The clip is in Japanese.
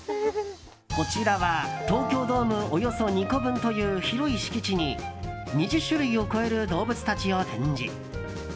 こちらは東京ドームおよそ２個分という広い敷地に２０種類を超える動物たちを展示。